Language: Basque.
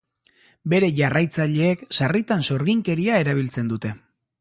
Bere jarraitzaileek sarritan sorginkeria erabiltzen dute.